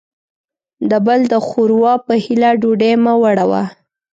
د بل د ښور وا په هيله ډوډۍ مه وړوه.